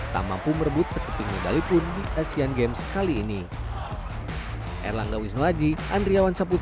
tak mampu merebut seketiknya balipun di asian games kali ini